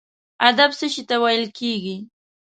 ادب څه شي ته ویل کیږي؟